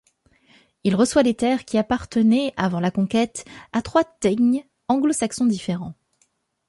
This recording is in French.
Il reçoit les terres qui appartenaient, avant la conquête, à trois thegns anglo-saxons différents.